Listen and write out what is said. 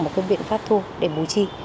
một cái biện pháp thu để mùi chi